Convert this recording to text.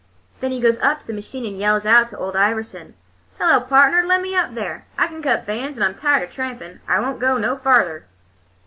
"Then he goes up to the machine and yells out to Ole Iverson, 'Hello, partner, let me up there. I can cut bands, and I'm tired of trampin'. I won't go no farther.